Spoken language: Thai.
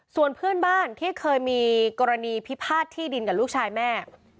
ส่วนเพื่อนบ้านที่เคยมีกรณีพิพาทที่ดินกับลูกชายแม่